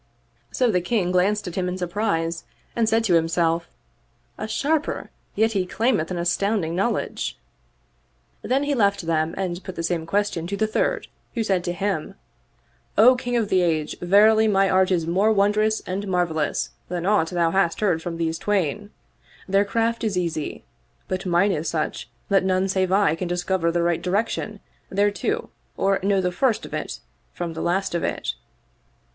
'* So the King glanced at him in surprise and said to himself, " A sharper, yet he claimeth an astounding knowl edge !" Then he left him and put the same question to the third who said to him, " O King of the Age, verily my art is more wondrous and marvelous than aught thou hast heard from these twain : their craft is easy, but mine is such that none save I can discover the right direction thereto or know the first of it from the last of it."